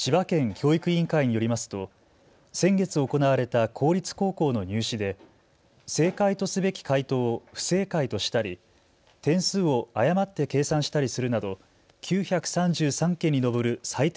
教育委員会によりますと先月行われた公立高校の入試で正解とすべき解答を不正解としたり点数を誤って計算したりするなど９３３件に上る採点